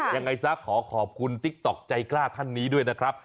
ยังไงซะขอขอบคุณติ๊กต๊อกใจกล้าท่านนี้ด้วยนะครับ